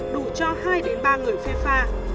đủ cho hai ba người phê pha